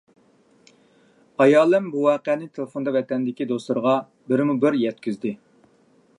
ئايالىم بۇ ۋەقەنى تېلېفوندا ۋەتەندىكى دوستلىرىغا بىرمۇبىر يەتكۈزدى.